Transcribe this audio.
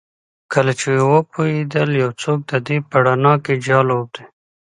کله چې وپوهیدل یو څوک د دې په روڼا کې جال اوبدي